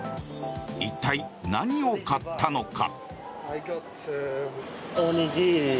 一体、何を買ったのか。